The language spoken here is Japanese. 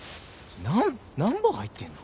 何何本入ってんの？